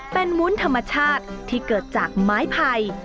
เป็นวุ้นธรรมชาติที่เกิดจากไม้ไผ่